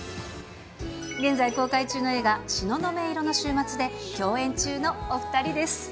現在公開中の映画、シノノメ色の週末で共演中のお２人です。